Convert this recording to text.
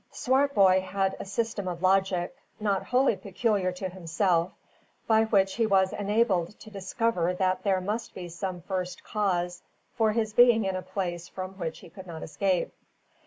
Swartboy had a system of logic, not wholly peculiar to himself, by which he was enabled to discover that there must be some first cause for his being in a place from which he could not escape.